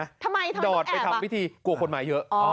ทำไมทำไมต้องแอบดอดไปทำพิธีกลัวคนมาเยอะ